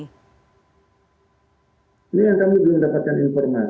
ini yang kami belum dapatkan informasi